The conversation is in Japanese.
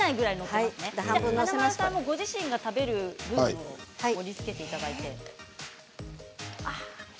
華丸さんはご自身が食べる分だけ盛りつけていただいて。